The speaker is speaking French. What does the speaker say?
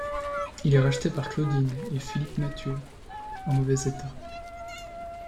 Il est racheté par Claudine et Philippe Mathieu, en mauvais état.